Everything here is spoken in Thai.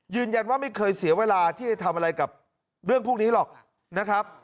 ไม่เคยเสียเวลาที่จะทำอะไรกับเรื่องพวกนี้หรอกนะครับ